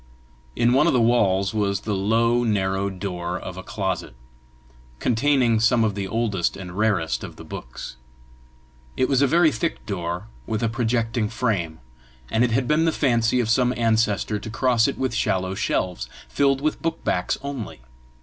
In one of the walls was the low, narrow door of a closet, containing some of the oldest and rarest of the books. It was a very thick door, with a projecting frame, and it had been the fancy of some ancestor to cross it with shallow shelves, filled with book backs only.